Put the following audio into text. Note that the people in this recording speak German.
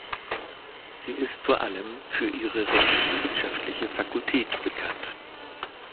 Sie ist vor allem für ihre rechtswissenschaftliche Fakultät bekannt.